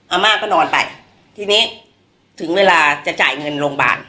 อาม่าก็นอนไปทีนี้ถึงเวลาจะจ่ายเงินโรงพยาบาล